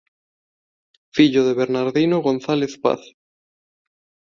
Fillo de Bernardino González Paz.